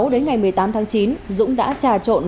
đến ngày một mươi tám tháng chín dũng đã trà trộn